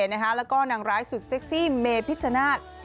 แล้วก็นางร้ายสุดเซ็กซี่เมพิชชนาธิ์